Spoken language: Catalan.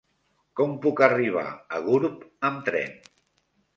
Com puc arribar a Gurb amb tren?